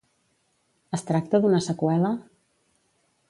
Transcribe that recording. Es tracta d'una seqüela?